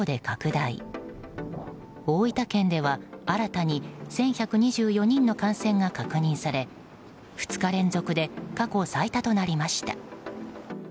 大分県では新たに１１２４人の感染が確認され２日連続で過去最多となりました。